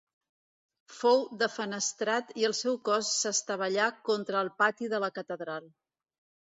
Fou defenestrat i el seu cos s'estavellà contra el pati de la catedral.